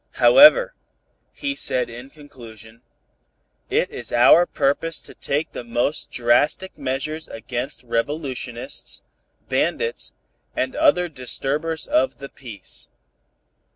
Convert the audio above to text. "However," he said in conclusion, "it is our purpose to take the most drastic measures against revolutionists, bandits and other disturbers of the peace."